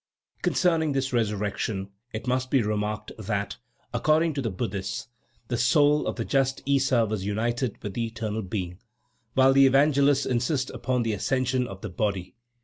Concerning this resurrection, it must be remarked that, according to the Buddhists, the soul of the just Issa was united with the eternal Being, while the Evangelists insist upon the ascension of the body.